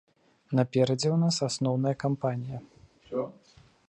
Наперадзе ў нас асноўная кампанія.